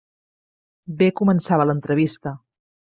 Bé començava l'entrevista.